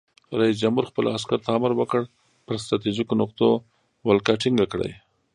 رئیس جمهور خپلو عسکرو ته امر وکړ؛ پر ستراتیژیکو نقطو ولکه ټینګه کړئ!